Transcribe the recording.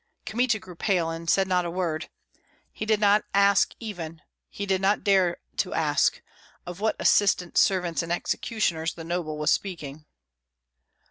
Kmita grew pale and said not a word. He did not ask even he did not dare to ask of what assistants, servants, and executioners that noble was speaking.